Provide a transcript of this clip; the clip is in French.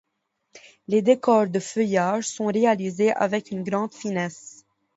Les décors de feuillage sont réalisés avec une grande finesse.